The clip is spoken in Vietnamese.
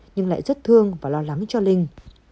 nhưng lại rất thương và lo lắng cho linh